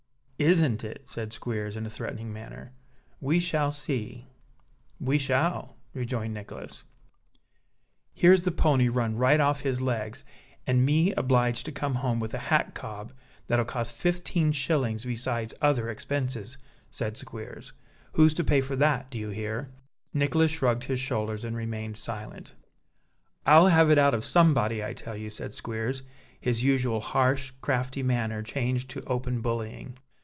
"Isn't it?" said Squeers, in a threatening manner. "We shall see!" "We shall," rejoined Nicholas. "Here's the pony run right off his legs, and me obliged to come home with a hack cob, that'll cost fifteen shillings besides other expenses," said Squeers; "who's to pay for that, do you hear?" Nicholas shrugged his shoulders and remained silent. "I'll have it out of somebody, I tell you," said Squeers, his usual harsh, crafty manner changed to open bullying.